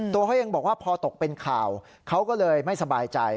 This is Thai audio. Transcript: ตัวเขาเองบอกว่าพอตกเป็นข่าวเขาก็เลยไม่สบายใจ